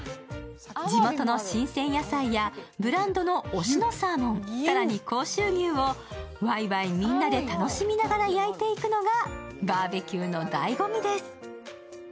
地元の新鮮野菜やブランドの忍野サーモン、更に甲州牛をわいわいみんなで楽しみながら焼いていくのがバーベキューのだいご味です。